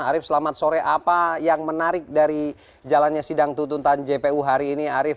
arief selamat sore apa yang menarik dari jalannya sidang tuntutan jpu hari ini arief